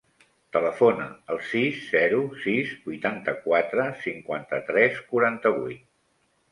Telefona al sis, zero, sis, vuitanta-quatre, cinquanta-tres, quaranta-vuit.